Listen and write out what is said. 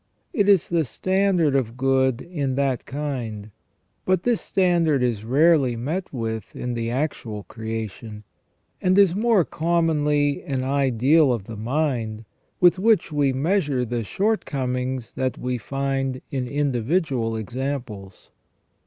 It is the standard of good in that kind ; but this standard is rarely met with in the actual creation, and is more commonly an ideal of the mind, with which we measure the shortcomings that we find in individual examples.